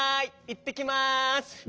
いってきます！